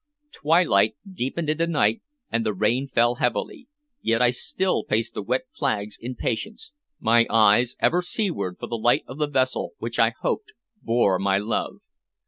Twilight deepened into night, and the rain fell heavily, yet I still paced the wet flags in patience, my eyes ever seaward for the light of the vessel which I hoped bore my love.